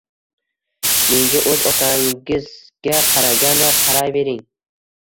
Menga o`z otangizga qaraganday qarayvering